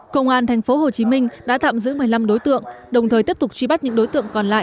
công an tp hcm đã tạm giữ một mươi năm đối tượng đồng thời tiếp tục truy bắt những đối tượng còn lại